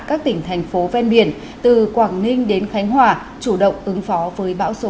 các tỉnh thành phố ven biển từ quảng ninh đến khánh hòa chủ động ứng phó với bão số ba